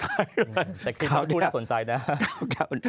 แต่คิดว่าที่พูดน่าสนใจนะ